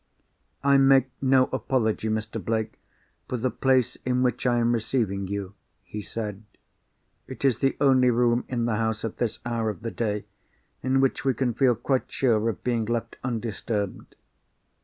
"I make no apology, Mr. Blake, for the place in which I am receiving you," he said. "It is the only room in the house, at this hour of the day, in which we can feel quite sure of being left undisturbed.